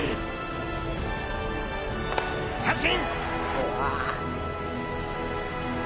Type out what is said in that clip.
三振！